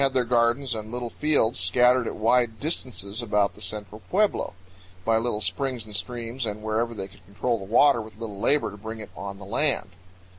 their gardens and little fields scattered at wide distances about the central pueblo, by little springs and streams and wherever they could control the water with little labor to bring it on the land.